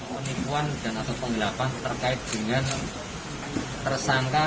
penipuan dan atau penggelapan terkait dengan tersangka